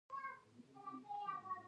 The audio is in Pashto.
د میوو حاصلات د بزګرانو خوشحالي ده.